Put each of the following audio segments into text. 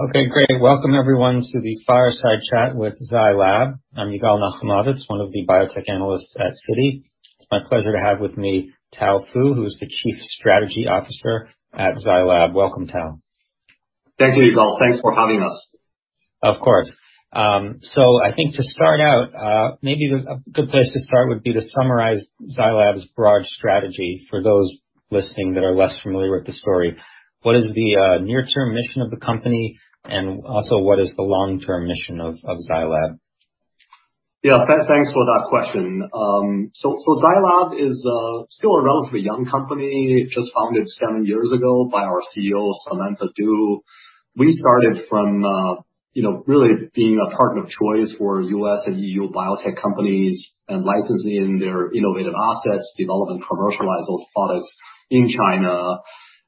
Okay, great. Welcome everyone to the Fireside Chat with Zai Lab. I'm Yigal Nochomovitz, one of the biotech analysts at Citi. It's my pleasure to have with me Tao Fu, who's the Chief Strategy Officer at Zai Lab. Welcome, Tao. Thank you, Yigal. Thanks for having us. To start out, maybe a good place to start would be to summarize Zai Lab's broad strategy for those listening that are less familiar with the story. What is the near-term mission of the company, and also what is the long-term mission of Zai Lab? Thanks for that question. Zai Lab is still a relatively young company, just founded seven years ago by our CEO, Samantha Du. We started from really being a partner of choice for U.S. and EU biotech companies and licensing their innovative assets, develop and commercialize those products in China.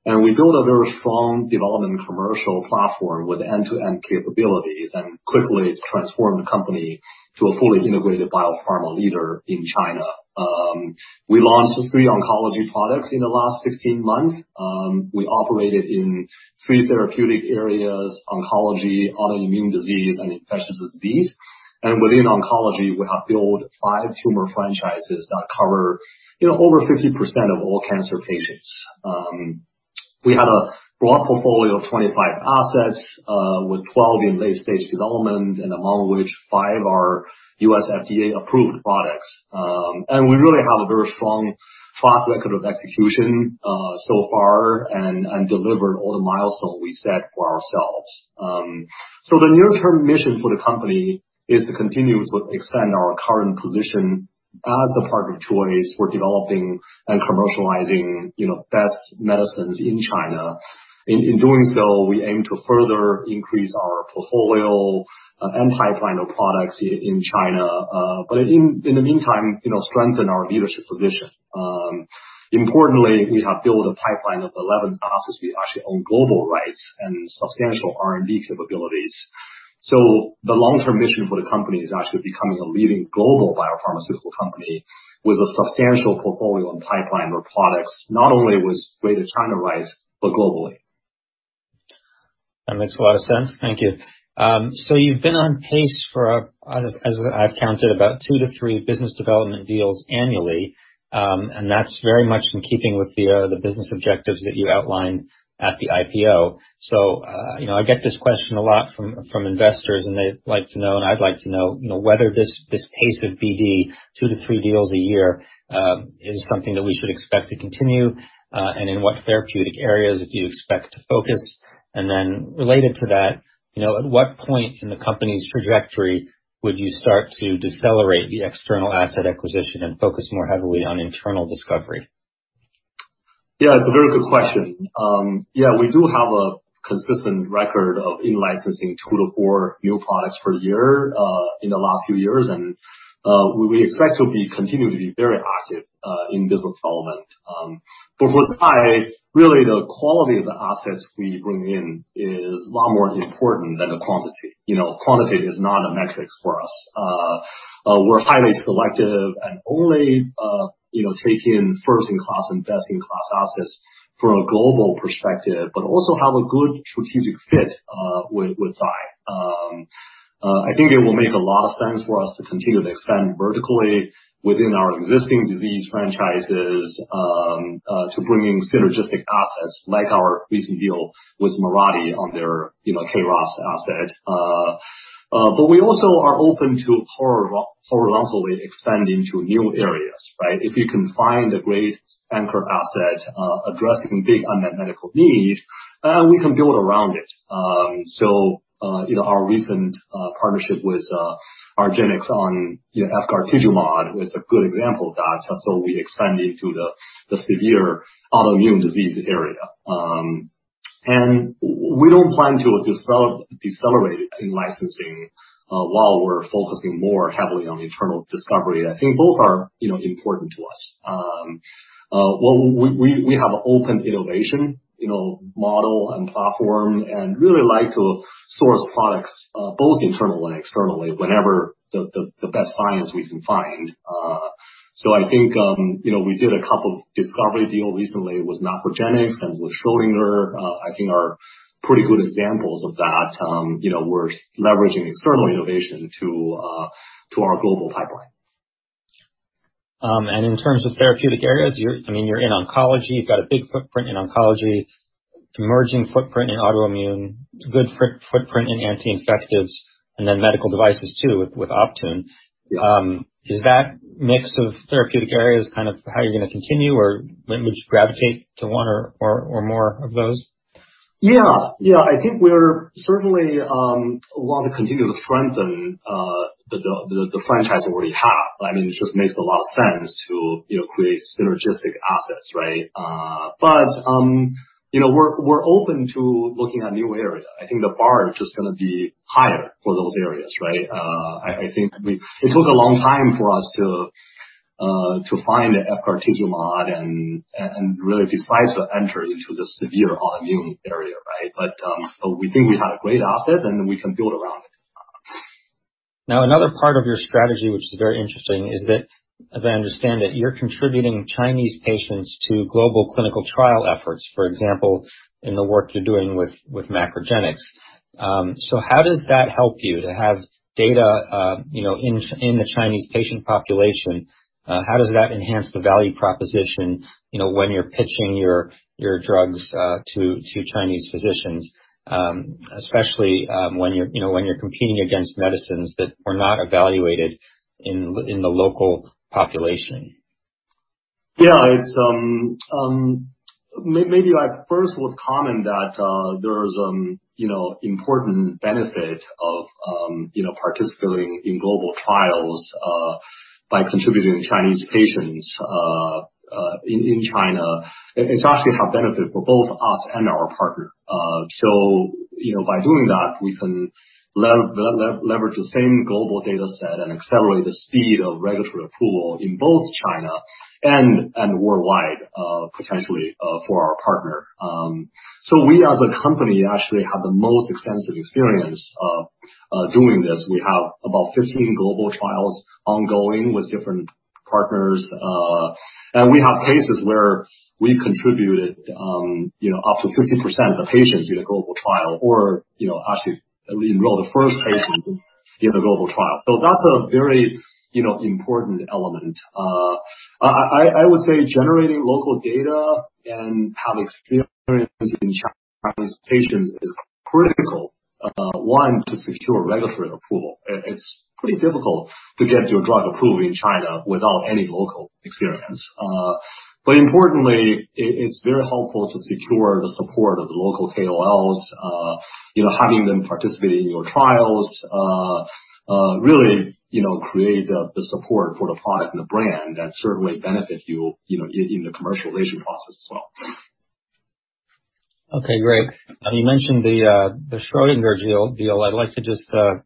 We built a very strong development commercial platform with end-to-end capabilities, and quickly transformed the company to a fully integrated biopharma leader in China. We launched three oncology products in the last 16 months. We operated in three therapeutic areas: oncology, autoimmune disease, and infectious disease. Within oncology, we have built five tumor franchises that cover over 50% of all cancer patients. We have a broad portfolio of 25 assets, with 12 in late-stage development, and among which five are U.S. FDA-approved products. We really have a very strong track record of execution so far and delivered all the milestones we set for ourselves. The near-term mission for the company is to continue to extend our current position as the partner of choice for developing and commercializing best medicines in China. In doing so, we aim to further increase our portfolio and pipeline of products in China. In the meantime, strengthen our leadership position. Importantly, we have built a pipeline of 11 assets we actually own global rights and substantial R&D capabilities. The long-term mission for the company is actually becoming a leading global biopharmaceutical company with a substantial portfolio and pipeline of products, not only with greater China rights, but globally. That makes a lot of sense. Thank you. You've been on pace for, as I've counted, about two-three business development deals annually, and that's very much in keeping with the business objectives that you outlined at the IPO. I get this question a lot from investors, and they'd like to know, and I'd like to know, whether this pace of BD, two-three deals a year, is something that we should expect to continue, and in what therapeutic areas do you expect to focus? Related to that, at what point in the company's trajectory would you start to decelerate the external asset acquisition and focus more heavily on internal discovery? It's a very good question. We do have a consistent record of in-licensing two to four new products per year in the last few years. We expect to be continuing to be very active in business development. For Zai, really the quality of the assets we bring in is a lot more important than the quantity. Quantity is not a metric for us. We're highly selective and only take in first-in-class and best-in-class assets from a global perspective, but also have a good strategic fit with Zai. It will make a lot of sense for us to continue to extend vertically within our existing disease franchises, to bring in synergistic assets like our recent deal with Mirati on their KRAS asset. We also are open to horizontally expanding to new areas, right? If you can find a great anchor asset addressing big unmet medical needs, we can build around it. Our recent partnership with argenx on efgartigimod is a good example of that. We extend into the severe autoimmune disease area. We don't plan to decelerate in licensing while we're focusing more heavily on internal discovery. Both are important to us. We have open innovation model and platform, and really like to source products both internal and externally, whatever the best science we can find. We did a couple of discovery deals recently with MacroGenics and with Schrödinger, are pretty good examples of that. We're leveraging external innovation to our global pipeline. In terms of therapeutic areas, you're in oncology, you've got a big footprint in oncology, emerging footprint in autoimmune, good footprint in anti-infectives, and then medical devices too with Optune. Is that mix of therapeutic areas how you're going to continue or might you just gravitate to one or more of those? We certainly want to continue to strengthen the franchise that we have. It just makes a lot of sense to create synergistic assets, right? We're open to looking at new areas. The bar is just going to be higher for those areas, right? It took a long time for us to find efgartigimod and really decide to enter into the severe autoimmune area, right? We think we have a great asset, and we can build around it. Another part of your strategy, which is very interesting, is that, as I understand it, you're contributing Chinese patients to global clinical trial efforts. For example, in the work you're doing with MacroGenics. How does that help you to have data in the Chinese patient population? How does that enhance the value proposition when you're pitching your drugs to Chinese physicians, especially when you're competing against medicines that were not evaluated in the local population? Maybe I first would comment that there is important benefit of participating in global trials by contributing Chinese patients in China. It actually have benefit for both us and our partner. By doing that, we can leverage the same global data set and accelerate the speed of regulatory approval in both China and worldwide, potentially, for our partner. We as a company actually have the most extensive experience of doing this. We have about 15 global trials ongoing with different partners. We have cases where we contributed up to 50% of the patients in a global trial or actually we enroll the first patient in the global trial. That's a very important element. I would say generating local data and have experience in Chinese patients is critical. One, to secure regulatory approval. It's pretty difficult to get your drug approved in China without any local experience. Importantly, it's very helpful to secure the support of the local KOLs, having them participate in your trials, really create the support for the product and the brand that certainly benefit you in the commercialization process as well. Okay, great. You mentioned the Schrödinger deal. I'd like to just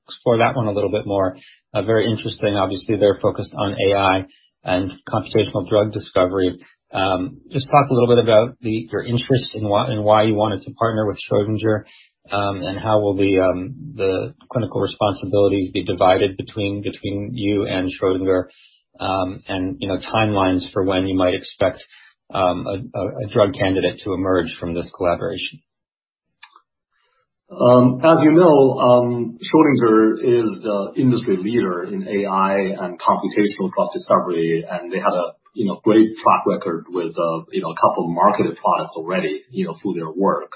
explore that one a little bit more. Very interesting, obviously, they're focused on AI and computational drug discovery. Just talk a little bit about your interest and why you wanted to partner with Schrödinger, and how will the clinical responsibilities be divided between you and Schrödinger, and timelines for when you might expect a drug candidate to emerge from this collaboration. As you know, Schrödinger is the industry leader in AI and computational drug discovery, and they have a great track record with a couple marketed products already through their work.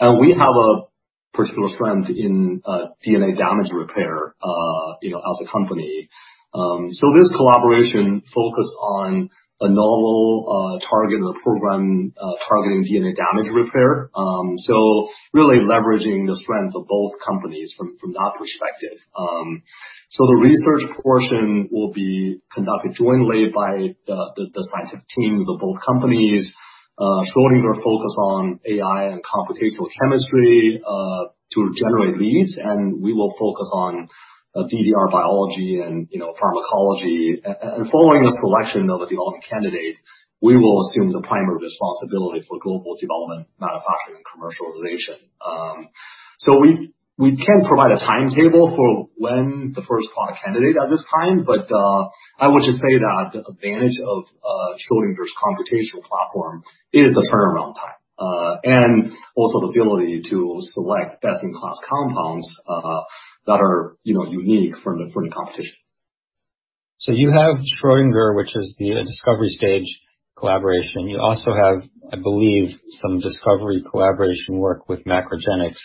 We have a particular strength in DNA damage repair as a company. This collaboration focus on a novel target in the program, targeting DNA damage repair. Really leveraging the strength of both companies from that perspective. The research portion will be conducted jointly by the scientific teams of both companies. Schrödinger focus on AI and computational chemistry to generate leads, and we will focus on DDR biology and pharmacology. Following the selection of a development candidate, we will assume the primary responsibility for global development, manufacturing, and commercialization. We can't provide a timetable for when the first product candidate at this time, but I would just say that the advantage of Schrödinger's computational platform is the turnaround time, and also the ability to select best-in-class compounds that are unique from the competition. You have Schrödinger, which is the discovery stage collaboration. You also have, I believe, some discovery collaboration work with MacroGenics.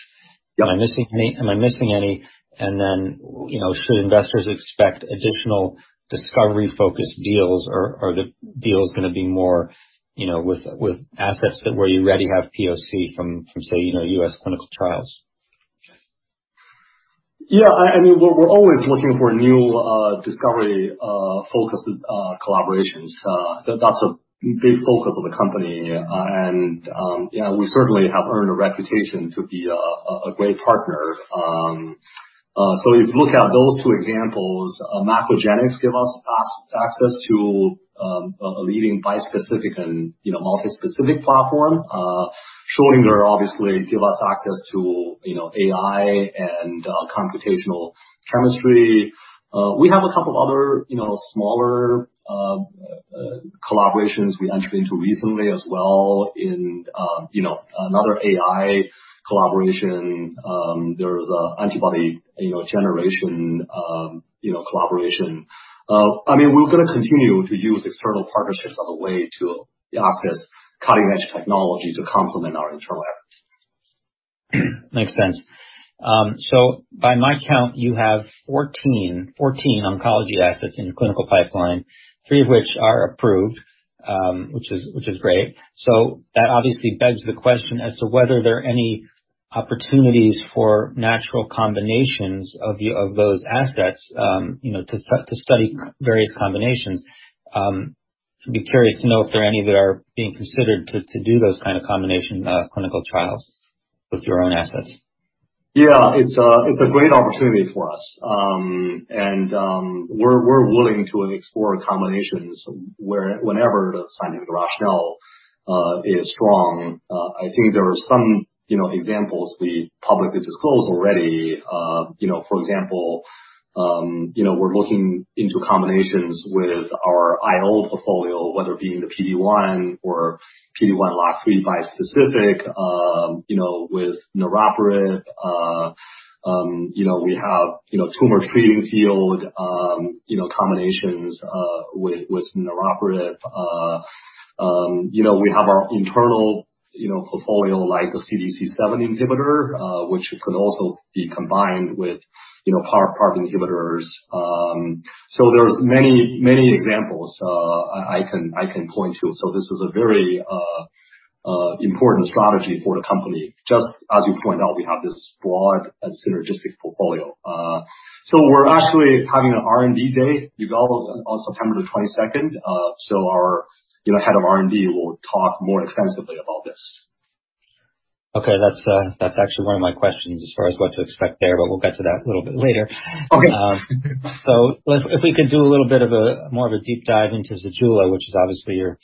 Am I missing any? Should investors expect additional discovery-focused deals, or are the deals going to be more with assets that where you already have POC from, say, U.S. clinical trials? We're always looking for new discovery focused collaborations. That's a big focus of the company. We certainly have earned a reputation to be a great partner. If you look at those two examples, MacroGenics give us access to a leading bispecific and multi-specific platform. Schrödinger obviously give us access to AI and computational chemistry. We have a couple of other smaller collaborations we entered into recently as well in another AI collaboration. There's antibody generation collaboration. We're going to continue to use external partnerships as a way to access cutting edge technology to complement our internal efforts. Makes sense. By my count, you have 14 oncology assets in your clinical pipeline, three of which are approved, which is great. That obviously begs the question as to whether there are any opportunities for natural combinations of those assets to study various combinations. I'd be curious to know if there are any that are being considered to do those combination clinical trials with your own assets. Yeah, it's a great opportunity for us. We're willing to explore combinations whenever the scientific rationale is strong. There are some examples we publicly disclosed already. For example, we're looking into combinations with our IO portfolio, whether it be in the PD-1 or PD-L1, bispecific with niraparib. We have Tumor Treating Fields combinations with niraparib. We have our internal portfolio, like the CDC7 inhibitor, which could also be combined with PARP inhibitors. There's many examples I can point to. This is a very important strategy for the company. Just as you point out, we have this broad synergistic portfolio. We're actually having an R&D day on September the 22nd. Our head of R&D will talk more extensively about this. Okay. That's actually one of my questions as far as what to expect there. We'll get to that a little bit later. If we could do a little bit of more of a deep dive into ZEJULA, which is obviously your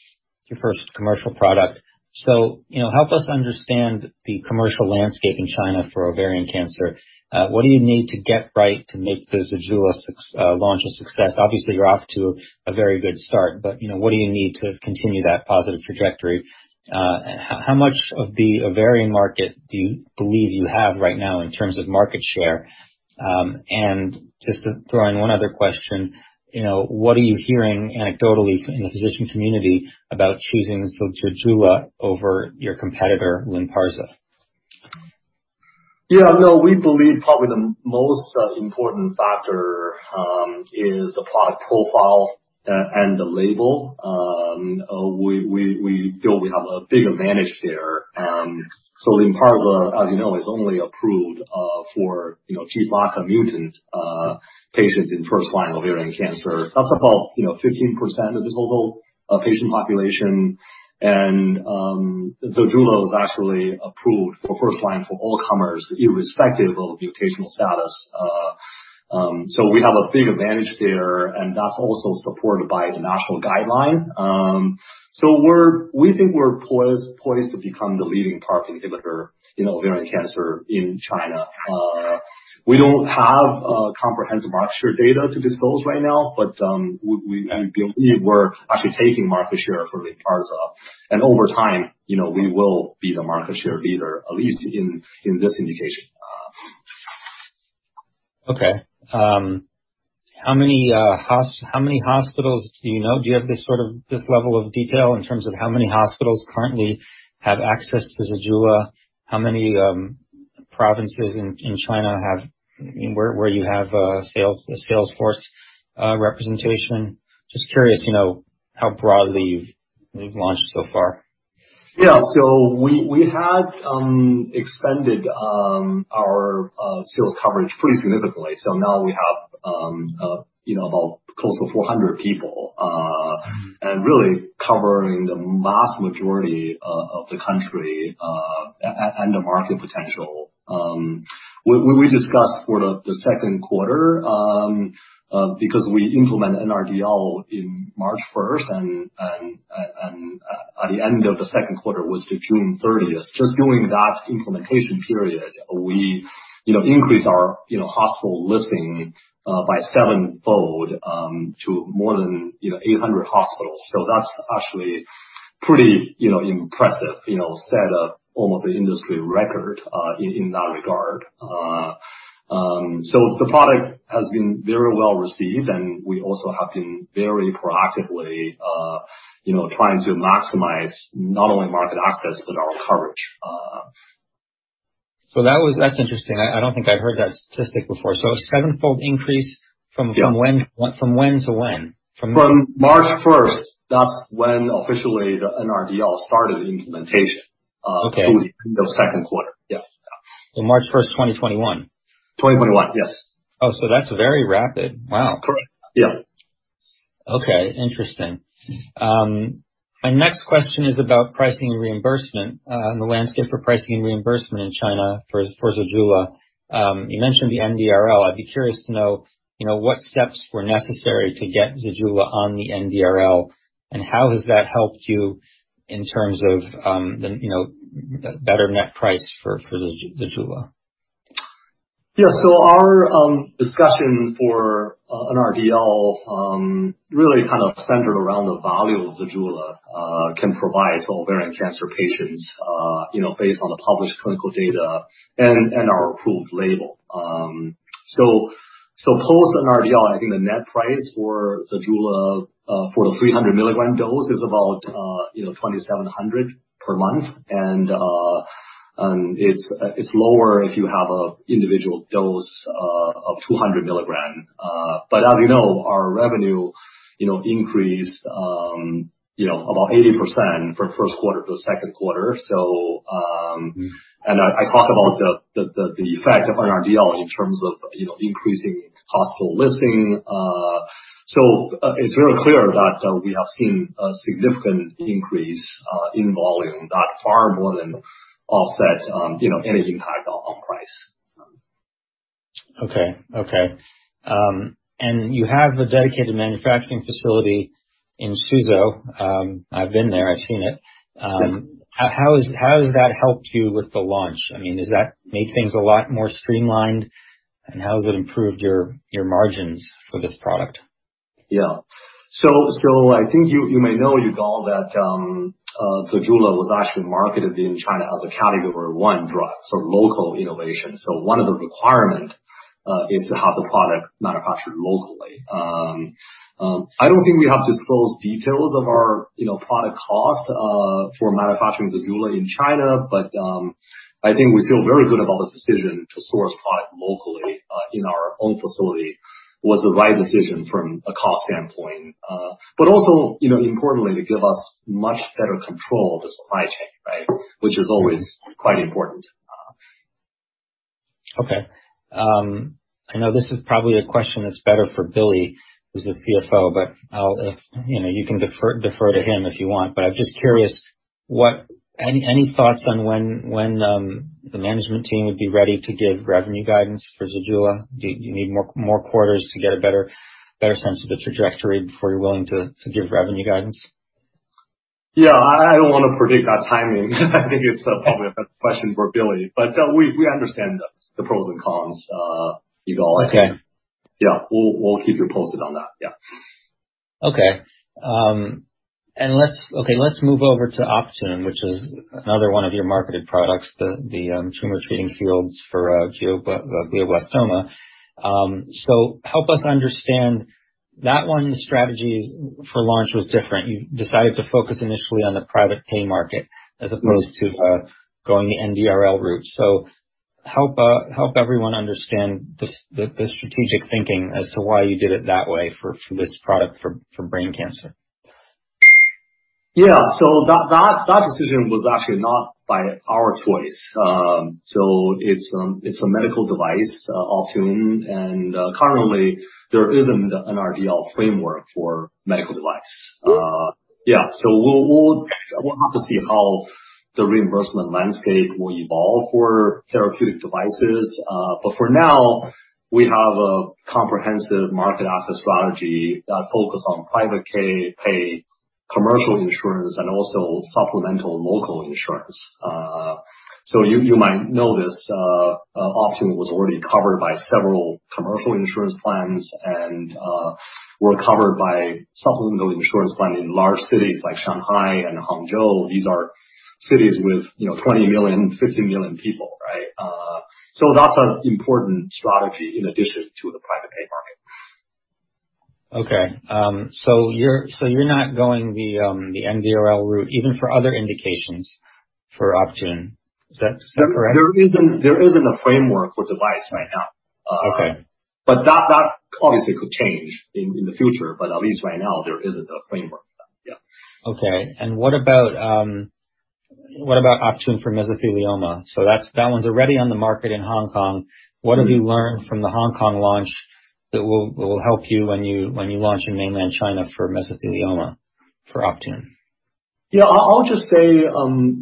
first commercial product. Help us understand the commercial landscape in China for ovarian cancer. What do you need to get right to make the ZEJULA launch a success? Obviously, you're off to a very good start, but what do you need to continue that positive trajectory? How much of the ovarian market do you believe you have right now in terms of market share? Just to throw in one other question, what are you hearing anecdotally from the physician community about choosing ZEJULA over your competitor, LYNPARZA? Yeah, we believe probably the most important factor is the product profile and the label. We feel we have a big advantage there. LYNPARZA, as you know, is only approved for gBRCA mutant patients in first-line ovarian cancer. That's about 15% of this whole patient population. ZEJULA is actually approved for first-line for all comers, irrespective of mutational status. We have a big advantage there, and that's also supported by the national guideline. We think we're poised to become the leading PARP inhibitor in ovarian cancer in China. We don't have comprehensive market share data to disclose right now, but we believe we're actually taking market share from LYNPARZA. Over time, we will be the market share leader, at least in this indication. Okay. How many hospitals do you know? Do you have this level of detail in terms of how many hospitals currently have access to ZEJULA? How many provinces in China where you have sales force representation? Just curious how broadly you've launched so far. We had expanded our sales coverage pretty significantly. Now we have about close to 400 people, and really covering the vast majority of the country and the market potential. We discussed for the Q2, because we implement NRDL in March 1st and at the end of the Q2 was to June 30th. Just doing that implementation period, we increased our hospital listing by seven-fold to more than 800 hospitals. That's actually pretty impressive, set almost an industry record in that regard. The product has been very well received, and we also have been very proactively trying to maximize not only market access but our coverage. That's interesting. I don't think I've heard that statistic before. A sevenfold increase. From when to when? March 1st, that's when officially the NRDL started the implementation. Okay. In the Q2. March 1st, 2021. 2021, yes. That's very rapid. Wow. Correct. Okay. Interesting. My next question is about pricing and reimbursement, and the landscape for pricing and reimbursement in China for ZEJULA. You mentioned the NRDL. I would be curious to know what steps were necessary to get ZEJULA on the NRDL, and how has that helped you in terms of the better net price for ZEJULA? Our discussion for NRDL really centered around the value ZEJULA can provide to ovarian cancer patients based on the published clinical data and our approved label. Post-NRDL, the net price for ZEJULA for the 300 milligram dose is about $2,700 per month. It's lower if you have an individual dose of 200 milligrams. As you know, our revenue increased about 80% from Q1 to Q2. I talked about the effect of NRDL in terms of increasing hospital listing. It's very clear that we are seeing a significant increase in volume that far more than offset anything high on price. Okay. You have a dedicated manufacturing facility in Suzhou. I've been there, I've seen it. How has that helped you with the launch? Has that made things a lot more streamlined, and how has it improved your margins for this product? You may know, Yigal, that ZEJULA was actually marketed in China as a category one drug, so local innovation. One of the requirement is to have the product manufactured locally. I don't think we have disclosed details of our product cost for manufacturing ZEJULA in China. We feel very good about this decision to source product locally in our own facility, was the right decision from a cost standpoint. Also importantly, to give us much better control of the supply chain, which is always quite important. Okay. I know this is probably a question that's better for Billy, who's the CFO, but you can defer to him if you want, but I'm just curious, any thoughts on when the management team would be ready to give revenue guidance for ZEJULA? Do you need more quarters to get a better sense of the trajectory before you're willing to give revenue guidance? Yeah, I don't want to predict that timing. It's probably a better question for Billy, but we understand the pros and cons, Yigal, I think. We'll keep you posted on that. Okay. Let's move over to Optune, which is another one of your marketed products, the Tumor Treating Fields for glioblastoma. Help us understand, that one the strategy for launch was different. You decided to focus initially on the private pay market as opposed to going the NRDL route. Help everyone understand the strategic thinking as to why you did it that way for this product for brain cancer. That decision was actually not by our choice. It's a medical device, Optune, and currently there isn't an NRDL framework for medical device. We'll have to see how the reimbursement landscape will evolve for therapeutic devices. For now, we have a comprehensive market access strategy that focus on private pay, commercial insurance, and also supplemental local insurance. You might know this, Optune was already covered by several commercial insurance plans and were covered by supplemental insurance plan in large cities like Shanghai and Hangzhou. These are cities with 20 million, 50 million people, right? That's an important strategy in addition to the private pay market. Okay. You're not going the NRDL route even for other indications for Optune. Is that correct? There isn't a framework for device right now. That obviously could change in the future, but at least right now there isn't a framework. What about Optune for mesothelioma? That one's already on the market in Hong Kong. What have you learned from the Hong Kong launch that will help you when you launch in mainland China for mesothelioma for Optune? I'll just say,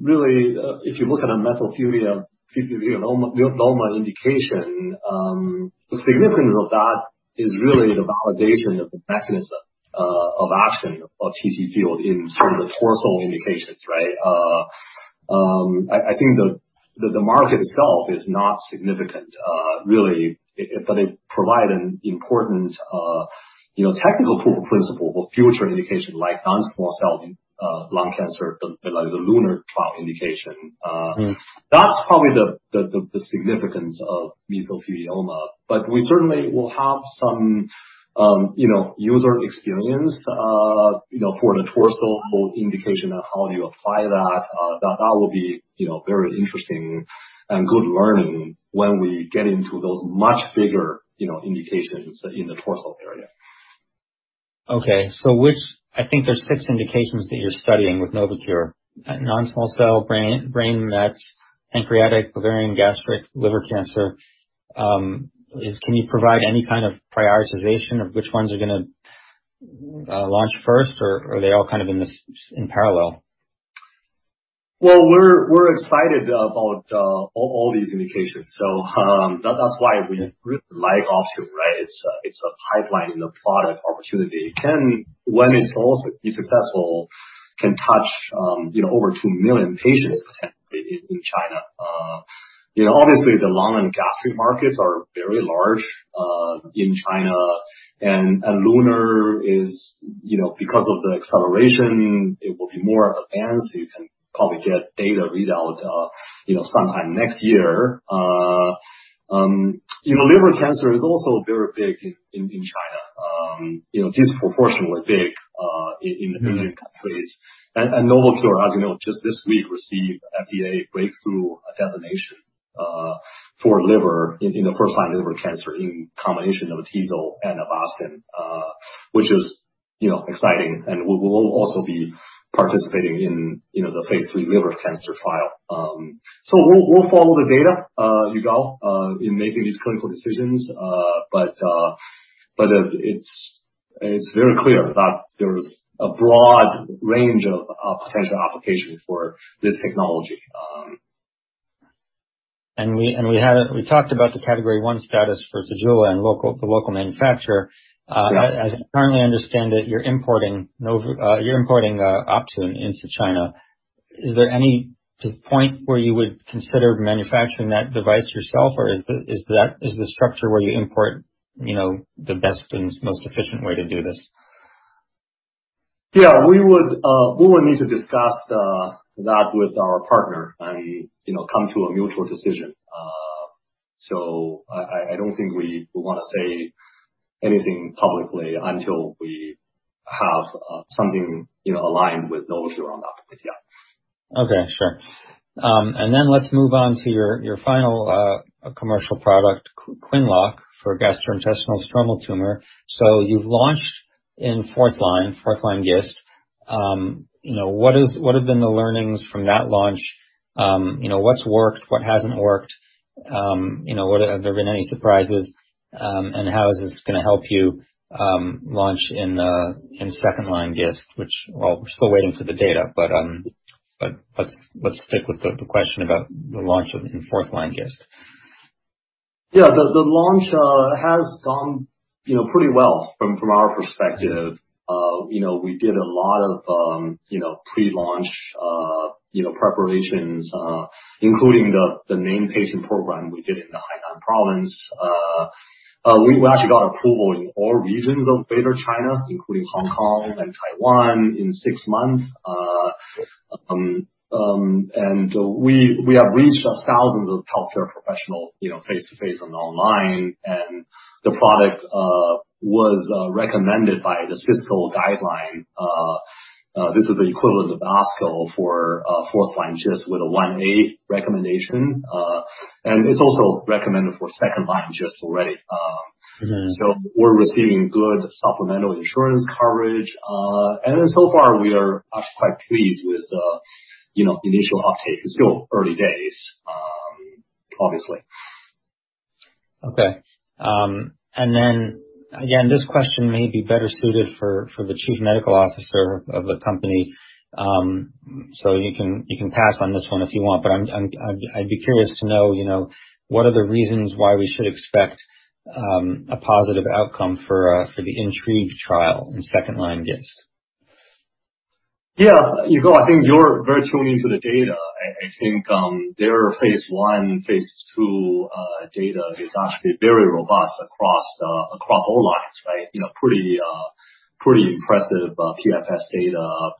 really, if you look at a mesothelioma glaucoma indication, the significance of that is really the validation of the mechanism of action of TTFields in the torso indications, right? The market itself is not significant, really. It provide an important technical proof of principle for future indication, like non-small cell lung cancer, like the LUNAR trial indication. That's probably the significance of mesothelioma. We certainly will have some user experience for the torso indication of how you apply that. That will be very interesting and good learning when we get into those much bigger indications in the torso area. Okay. There's six indications that you're studying with NovoCure, non-small cell, brain mets, pancreatic, ovarian, gastric, liver cancer. Can you provide any prioritization of which ones are going to launch first or are they all in parallel? Well, we're excited about all these indications. That's why we really like Optune, right? It's a pipeline and a product opportunity. It can, when it's also be successful, can touch over 2 million patients potentially in China. Obviously, the lung and gastric markets are very large in China. LUNAR is, because of the acceleration, it will be more advanced. You can probably get data read out sometime next year. Liver cancer is also very big in China. Disproportionately big in Asian countries. NovoCure, as you know, just this week received FDA breakthrough designation for liver in the first-line liver cancer in combination of atezol and Avastin, which is exciting. We'll also be participating in the phase III liver cancer file. We'll follow the data, Yigal, in making these clinical decisions. It's very clear that there is a broad range of potential applications for this technology. We talked about the category one status for ZEJULA and the local manufacturer. As I currently understand it, you are importing Optune into China. Is there any point where you would consider manufacturing that device yourself, or is the structure where you import the best and most efficient way to do this? Yeah, we would need to discuss that with our partner and come to a mutual decision. I don't think we want to say anything publicly until we have something aligned with NovoCure on that front yet. Okay, sure. Let's move on to your final commercial product, QINLOCK, for gastrointestinal stromal tumor. You've launched in fourth line GIST. What have been the learnings from that launch? What's worked, what hasn't worked? Have there been any surprises? How is this going to help you launch in second line GIST, which, well, we're still waiting for the data, but let's stick with the question about the launch in fourth line GIST. The launch has gone pretty well from our perspective. We did a lot of pre-launch preparations, including the name patient program we did in the Hainan province. We actually got approval in all regions of greater China, including Hong Kong and Taiwan, in 6 months. We have reached thousands of healthcare professional, face-to-face and online. The product was recommended by the CSCO guideline. This is the equivalent of ASCO for 4th line GIST with a 1A recommendation. It's also recommended for 2nd line GIST already. We're receiving good supplemental insurance coverage. So far we are quite pleased with the initial uptake. It's still early days, obviously. Okay. Again, this question may be better suited for the chief medical officer of the company. You can pass on this one if you want, I'd be curious to know what are the reasons why we should expect a positive outcome for the INTRIGUE trial in second line GIST? Yigal, you're very tuned into the data. Their phase I, phase II data is actually very robust across all lines, right? Pretty impressive PFS data.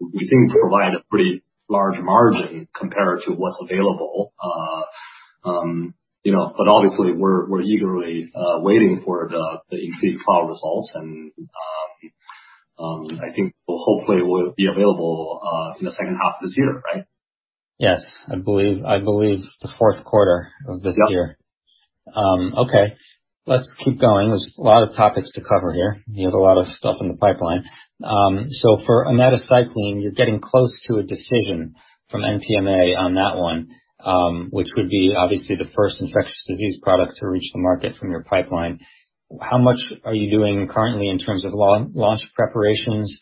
We think provide a pretty large margin compared to what's available. Obviously we're eagerly waiting for the INTRIGUE trial results and hopefully will be available in the second half of this year, right? Yes. I believe it's the fourth quarter of this year. Yes. Okay. Let's keep going. There's a lot of topics to cover here. You have a lot of stuff in the pipeline. For omadacycline, you're getting close to a decision from NMPA on that one, which would be obviously the first infectious disease product to reach the market from your pipeline. How much are you doing currently in terms of launch preparations,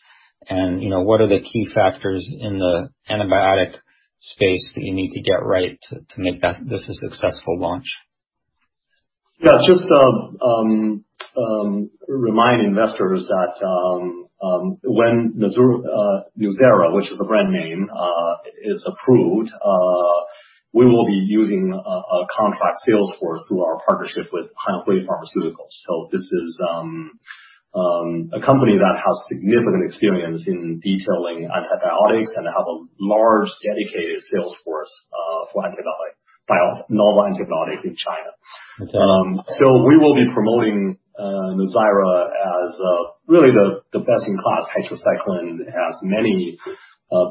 and what are the key factors in the antibiotic space that you need to get right to make this a successful launch? Just remind investors that when NUZYRA, which is the brand name, is approved, we will be using a contract sales force through our partnership with Hanhui Pharmaceuticals. This is a company that has significant experience in detailing antibiotics and have a large dedicated sales force for antibiotic, bio normal antibiotics in China. We will be promoting NUZYRA as really the best in class tetracycline. It has many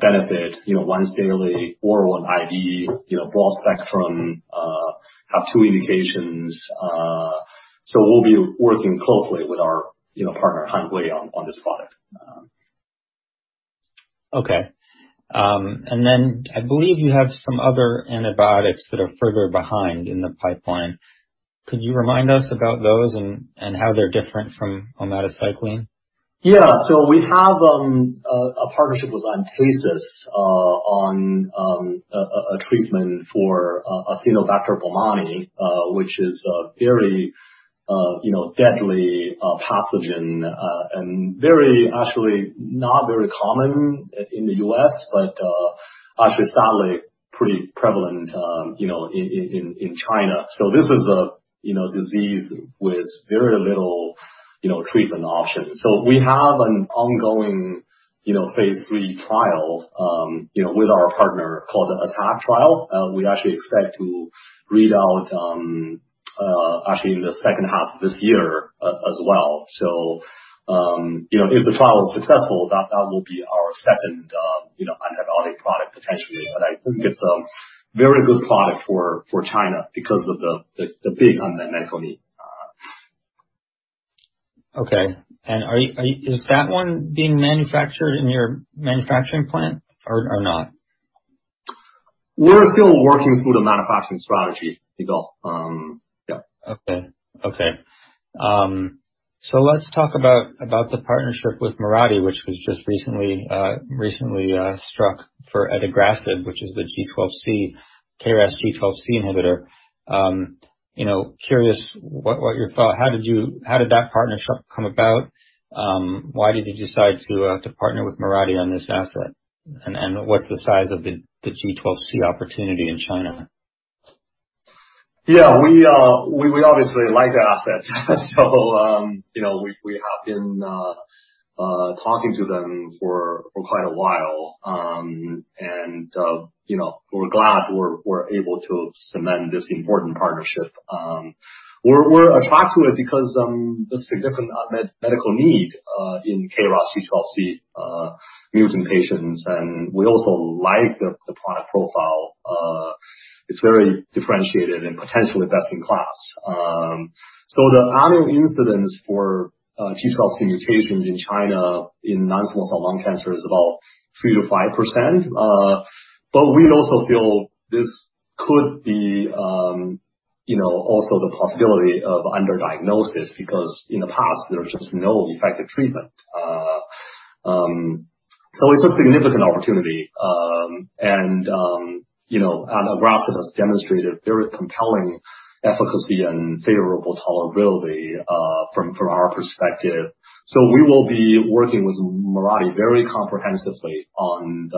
benefit, once daily oral and IV, broad spectrum, have two indications. We'll be working closely with our partner Hanhui on this product. Okay. Then I believe you have some other antibiotics that are further behind in the pipeline. Could you remind us about those and how they're different from omadacycline? We have a partnership with Entasis on a treatment for Acinetobacter baumannii, which is a very deadly pathogen, and actually not very common in the U.S., but actually sadly pretty prevalent in China. This is a disease with very little treatment options. We have an ongoing phase III trial with our partner called the ATTACK trial. We actually expect to read out, actually in the second half of this year as well. If the trial is successful, that will be our second antibiotic product potentially. It's a very good product for China because of the big unmet economy. Is that one being manufactured in your manufacturing plant or not? We're still working through the manufacturing strategy, Yigal. Let's talk about the partnership with Mirati, which was just recently struck for adagrasib, which is the KRAS G12C inhibitor. Curious how did that partnership come about? Why did you decide to partner with Mirati on this asset? What's the size of the G12C opportunity in China? We obviously like the asset. We have been talking to them for quite a while. We're glad we're able to cement this important partnership. We're attracted to it because the significant unmet medical need in KRAS G12C mutant patients, and we also like the product profile. It's very differentiated and potentially best in class. The annual incidence for G12C mutations in China in non-small cell lung cancer is about 3%-5%. We also feel this could be also the possibility of under-diagnosis, because in the past, there was just no effective treatment. It's a significant opportunity. Adagrasib has demonstrated very compelling efficacy and favorable tolerability from our perspective. We will be working with Mirati very comprehensively on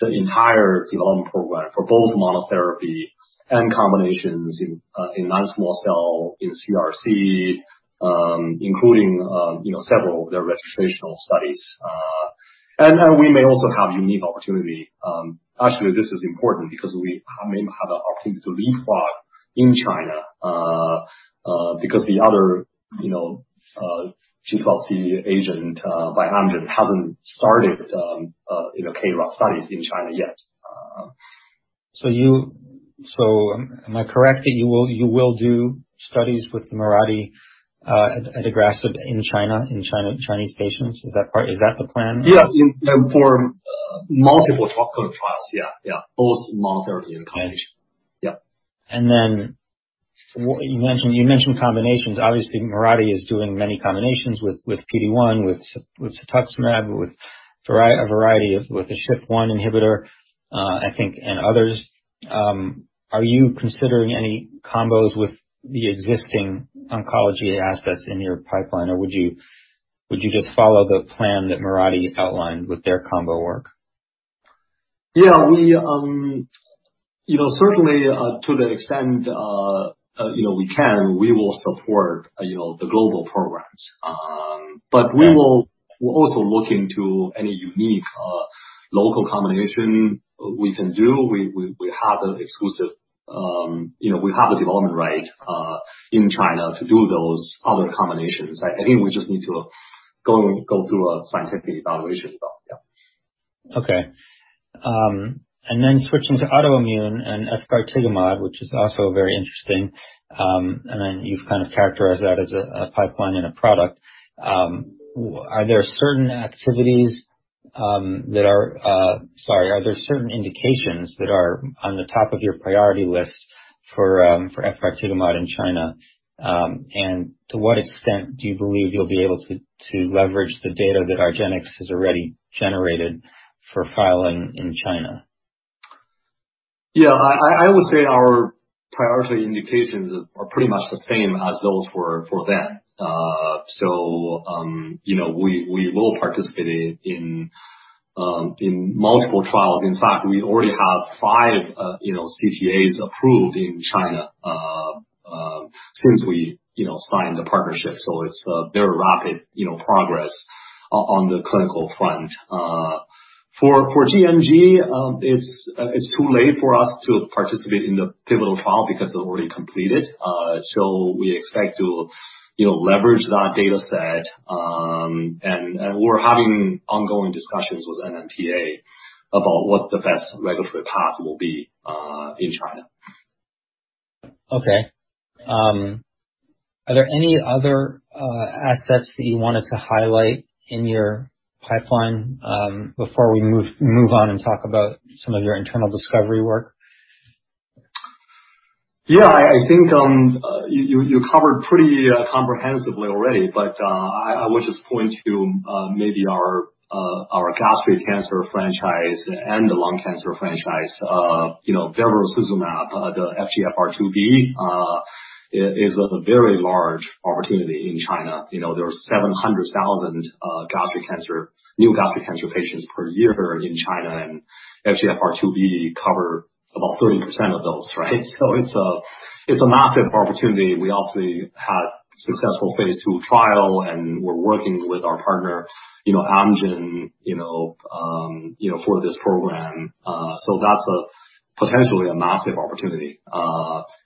the entire development program for both monotherapy and combinations in non-small cell, in CRC, including several of their registrational studies. We may also have unique opportunity. Actually, this is important because we may have the opportunity to lead in China, because the other G12C agent by Amgen hasn't started KRAS studies in China yet. Am I correct that you will do studies with Mirati adagrasib in China, Chinese patients? Is that the plan? For multiple top-line trials. Both monotherapy and combination. You mentioned combinations. Obviously, Mirati is doing many combinations with PD-1, with cetuximab, with the SHP1 inhibitor, and others. Are you considering any combos with the existing oncology assets in your pipeline, or would you just follow the plan that Mirati outlined with their combo work? Certainly to the extent we can, we will support the global programs. We will also look into any unique local combination we can do. We have a development right in China to do those other combinations. We just need to go through a scientific evaluation, though. Switching to autoimmune and efgartigimod which is also very interesting. You've characterized that as a pipeline and a product. Are there certain indications that are on the top of your priority list for efgartigimod in China? To what extent do you believe you'll be able to leverage the data that argenx has already generated for filing in China? I would say our priority indications are pretty much the same as those for them. We will participate in multiple trials. In fact, we already have five CTAs approved in China since we signed the partnership. It's very rapid progress on the clinical front. For gMG, it's too late for us to participate in the pivotal trial because they've already completed. We expect to leverage that data set. We're having ongoing discussions with NMPA about what the best regulatory path will be in China. Are there any other assets that you wanted to highlight in your pipeline before we move on and talk about some of your internal discovery work? Yeah, you covered pretty comprehensively already. I would just point to maybe our gastric cancer franchise and the lung cancer franchise. bemarituzumab, the FGFR2B, is a very large opportunity in China. There are 700,000 new gastric cancer patients per year in China, and FGFR2B cover about 30% of those, right? It's a massive opportunity. We also had successful phase II trial, and we're working with our partner Amgen for this program. That's potentially a massive opportunity.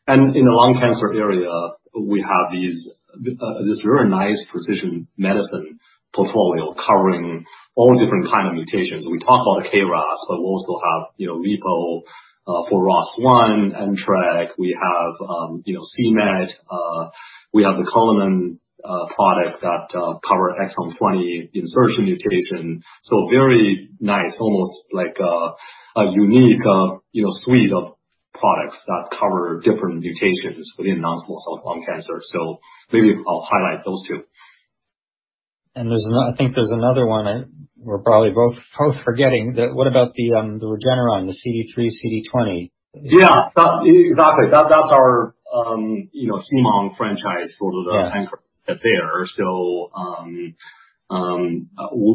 In the lung cancer area, we have this very nice precision medicine portfolio covering all different mutations. We talk about KRAS, but we also have VQOL for ROS1 entrectinib. We have C-MET, we have the CLN-081 product that cover exon 20 insertion mutation. Very nice, almost like a unique suite of products that cover different mutations within non-small cell lung cancer. Maybe I'll highlight those two. There's another one we're probably both forgetting. What about the Regeneron, the CD3, CD20? Exactly. That's our Simao franchise, the anchor there.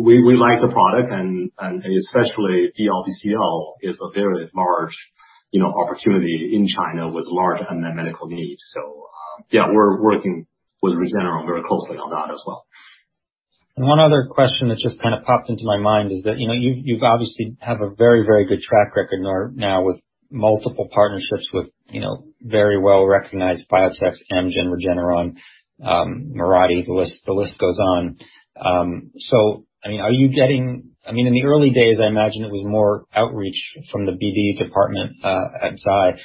We like the product and especially DLBCL is a very large opportunity in China with large unmet medical needs. Yeah, we're working with Regeneron very closely on that as well. One other question that just popped into my mind is that you obviously have a very good track record now with multiple partnerships with very well-recognized biotechs, Amgen, Regeneron, Mirati, the list goes on. In the early days, I imagine it was more outreach from the BD department at Zai.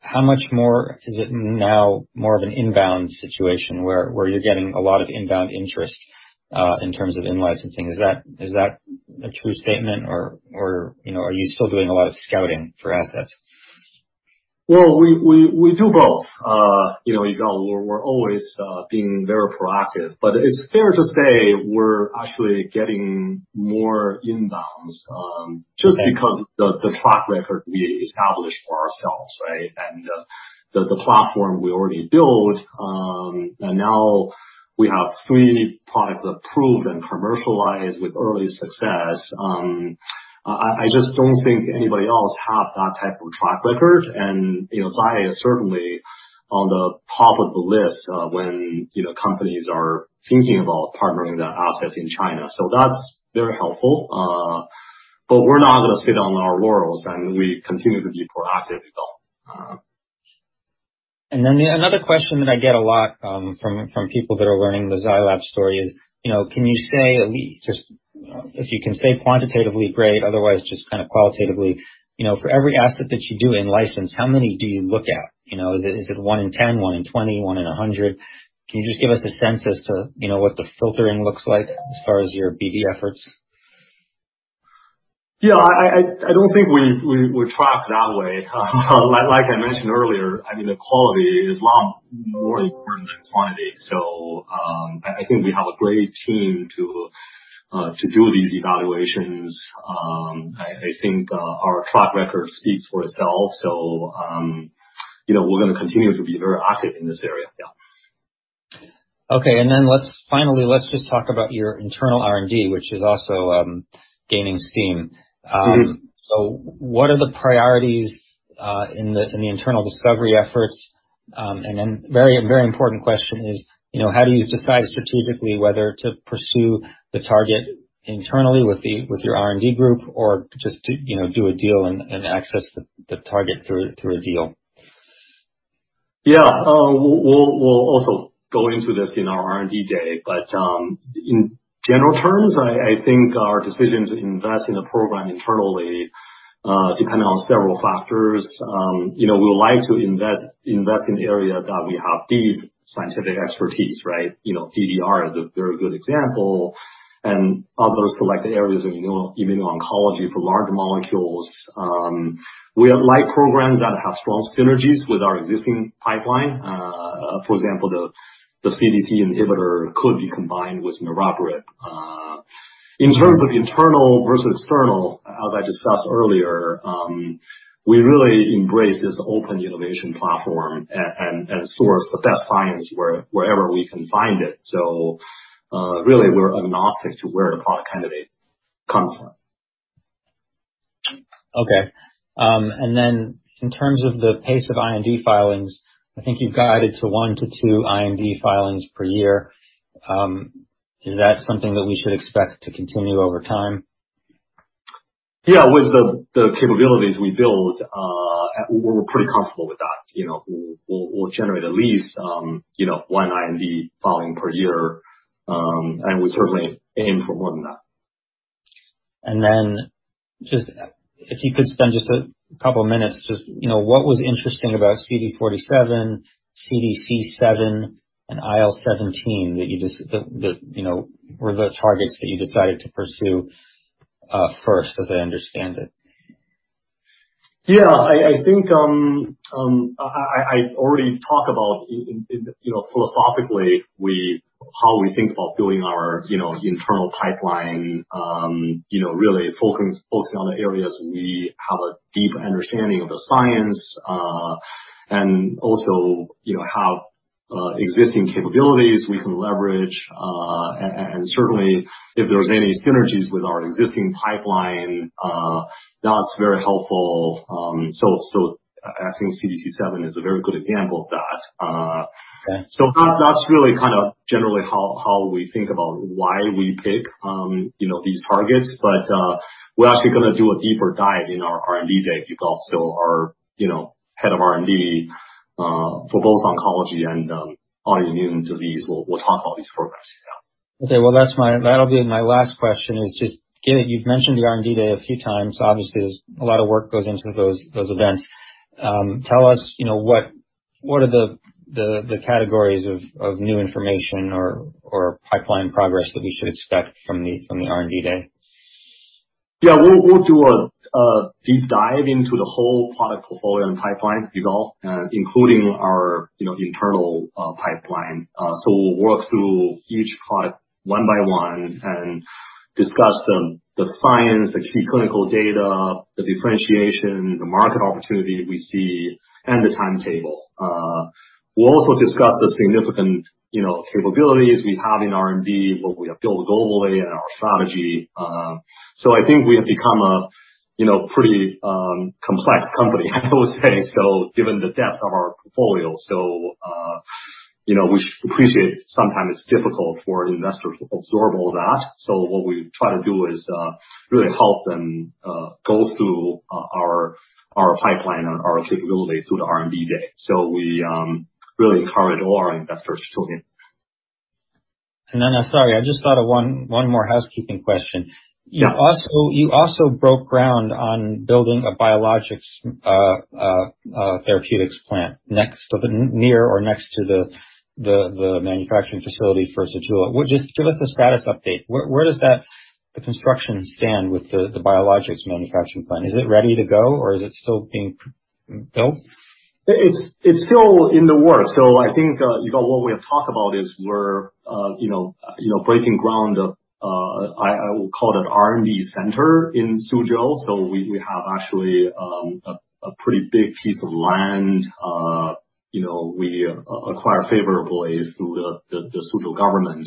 How much more is it now more of an inbound situation where you're getting a lot of inbound interest, in terms of in-licensing? Is that a true statement or are you still doing a lot of scouting for assets? We do both. We're always being very proactive. It's fair to say we're actually getting more inbounds just because the track record we established for ourselves, right? The platform we already built, and now we have three products approved and commercialized with early success. I just don't think anybody else have that type of track record. Zai is certainly on the top of the list when companies are thinking about partnering their assets in China. That's very helpful. We're not going to sit on our laurels, and we continue to be proactive as well. Another question that I get a lot from people that are learning the Zai Lab story is, if you can say quantitatively, great. Otherwise, just qualitatively, for every asset that you do in license, how many do you look at? Is it one in 10, one in 20, one in 100? Can you just give us a sense as to what the filtering looks like as far as your BD efforts? Yeah, I don't think we track that way. Like I mentioned earlier, the quality is a lot more important than quantity. We have a great team to do these evaluations. Our track record speaks for itself. We're going to continue to be very active in this area. Then let's finally just talk about your internal R&D, which is also gaining steam. What are the priorities in the internal discovery efforts? A very important question is how do you decide strategically whether to pursue the target internally with your R&D group or just to do a deal and access the target through a deal? We'll also go into this in our R&D day, but in general terms, our decisions to invest in a program internally depend on several factors. We like to invest in area that we have deep scientific expertise, right? DDR is a very good example, and other selected areas in immuno-oncology for large molecules. We like programs that have strong synergies with our existing pipeline. For example, the CDC inhibitor could be combined with niraparib. In terms of internal versus external, as I discussed earlier, we really embrace this open innovation platform and source the best science wherever we can find it. Really, we're agnostic to where the product candidate comes from. In terms of the pace of IND filings, you've guided to one to two IND filings per year. Is that something that we should expect to continue over time? Yeah, with the capabilities we build, we're pretty comfortable with that. We'll generate at least one IND filing per year. We certainly aim for more than that. just if you could spend just a couple of minutes just what was interesting about CD47, CDC7, and IL-17 that were the targets that you decided to pursue first, as I understand it? Yeah, I already talked about philosophically how we think about building our internal pipeline really focusing on the areas we have a deep understanding of the science. Also have existing capabilities we can leverage. Certainly if there's any synergies with our existing pipeline, that's very helpful. CDC7 is a very good example of that. That's really generally how we think about why we pick these targets. We're actually going to do a deeper dive in our R&D Day. People also are Head of R&D for both oncology and autoimmune disease. We'll talk about these programs. That'll be my last question is just, you've mentioned the R&D Day a few times. Obviously, a lot of work goes into those events. Tell us what are the categories of new information or pipeline progress that we should expect from the R&D Day? We'll do a deep dive into the whole product portfolio and pipeline, Yigal, including our internal pipeline. We'll work through each part one by one and discuss the science, the key clinical data, the differentiation, the market opportunity we see, and the timetable. We'll also discuss the significant capabilities we have in R&D, what we have built globally and our strategy. We have become a pretty complex company, I would say, Yigal, given the depth of our portfolio. We appreciate sometimes it's difficult for investors to absorb all that, so what we try to do is really help them go through our pipeline and our capabilities through the R&D Day. We really encourage all our investors to join. Sorry, I just thought of one more housekeeping question. You also broke ground on building a biologics therapeutics plant near or next to the manufacturing facility for Suzhou. Just give us a status update. Where does the construction stand with the biologics manufacturing plant? Is it ready to go or is it still being built? It's still in the works. Yigal, what we have talked about is we're breaking ground, I will call it an R&D center in Suzhou. We have actually a pretty big piece of land, we acquired favorably through the Suzhou government.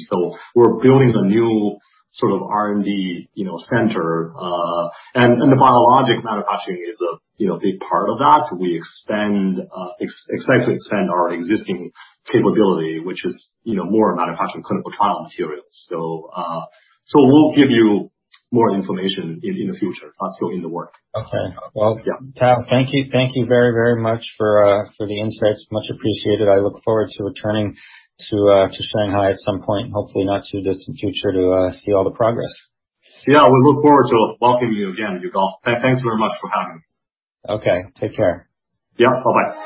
We're building a new sort of R&D center. The biologic manufacturing is a big part of that. We expect to extend our existing capability, which is more manufacturing clinical trial materials. We'll give you more information in the future. It's also in the work. Okay. Yeah. Tao, thank you. Thank you very, very much for the insights. Much appreciated. I look forward to returning to Shanghai at some point, hopefully not too distant future, to see all the progress. We look forward to welcoming you again, Yigal. Thanks very much for having me. Okay. Take care. Yeah. Bye-bye.